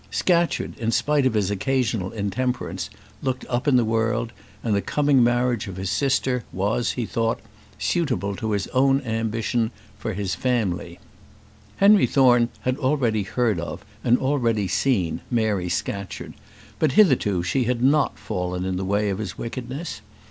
Scatcherd, in spite of his occasional intemperance, looked up in the world, and the coming marriage of his sister was, he thought, suitable to his own ambition for his family. Henry Thorne had already heard of, and already seen, Mary Scatcherd; but hitherto she had not fallen in the way of his wickedness.